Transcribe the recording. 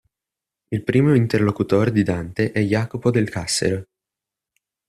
Il primo interlocutore di Dante è Jacopo del Cassero.